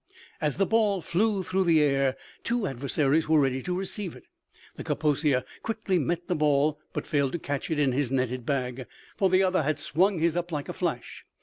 As the ball flew through the air, two adversaries were ready to receive it. The Kaposia quickly met the ball, but failed to catch it in his netted bag, for the other had swung his up like a flash.